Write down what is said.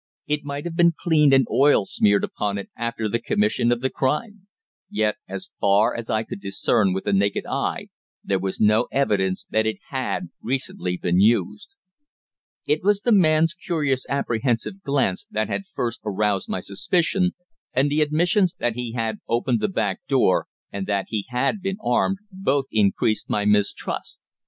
It might have been cleaned and oil smeared upon it after the commission of the crime. Yet as far as I could discern with the naked eye there was no evidence that it had recently been used. It was the man's curious apprehensive glance that had first aroused my suspicion, and the admissions that he had opened the back door, and that he had been armed, both increased my mistrust.